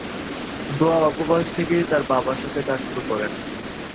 দুয়া অল্প বয়স থেকেই তার বাবার সাথে কাজ শুরু করেন।